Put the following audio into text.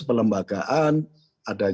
pelembagaan ada proses perusahaan